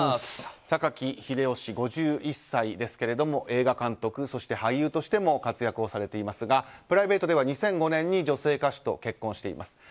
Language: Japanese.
榊英雄氏、５１歳映画監督、俳優としても活躍をされていますがプライベートでは２００５年に女性歌手と結婚しています。